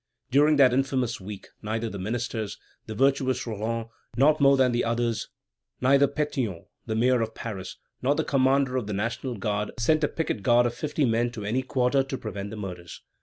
During that infamous week, neither the ministers, the virtuous Roland not more than the others, neither Pétion, the mayor of Paris, nor the commander of the National Guard sent a picket guard of fifty men to any quarter to prevent the murders.